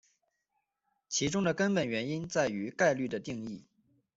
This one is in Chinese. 其中的根本原因在于概率的定义。